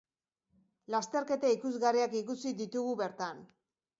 Lasterketa ikusgarriak ikusi ditugu bertan!